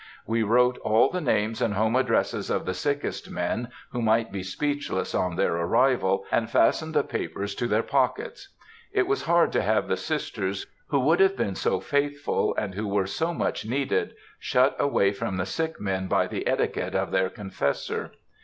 We wrote all the names and home addresses of the sickest men, who might be speechless on their arrival, and fastened the papers into their pockets. It was hard to have the "Sisters," who would have been so faithful, and who were so much needed, shut away from the sick men by the etiquette of their confessor.